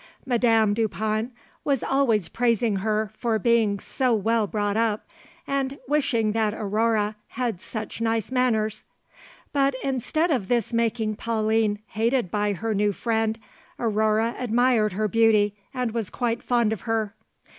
Madame Dupin was always praising her for being so well brought up, and wishing that Aurore had such nice manners; but instead of this making Pauline hated by her new friend, Aurore admired her beauty and was quite fond of her.